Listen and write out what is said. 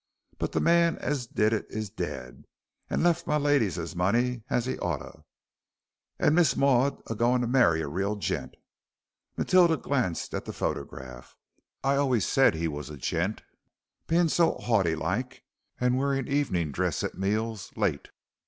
But the man as did it is dead, and lef' my ladies his money, as he oughter. An' Miss Maud's a goin' to marry a real gent" Matilda glanced at the photograph "I allays said he wos a gent, bein' so 'aughty like, and wearing evening dress at meals, late."